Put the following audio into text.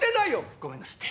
ごめんなすって。